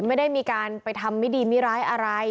ไม่ได้มีการไปทำไม่ดีไม่ร้ายอะไร